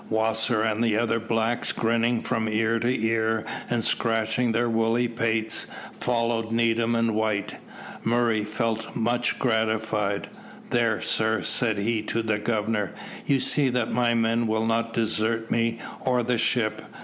Wasser and the other blacks, grinning from ear to ear, and scratching their woolly pates, followed Needham and White. Murray felt much gratified. "There, sir," said he to the Governor, "you see that my men will not desert me or the ship.